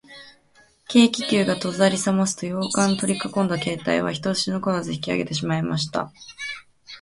軽気球がとびさりますと、洋館をとりかこんでいた警官隊は、ひとり残らず引きあげてしまいました。明智探偵も、ついゆだんをして、そこを立ちさったのです。